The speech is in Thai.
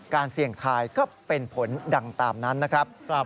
เสี่ยงทายก็เป็นผลดังตามนั้นนะครับ